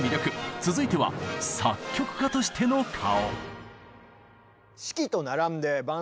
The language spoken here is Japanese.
続いては作曲家としての顔。